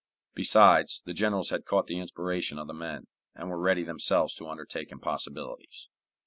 Besides, the generals had caught the inspiration of the men, and were ready themselves to undertake impossibilities.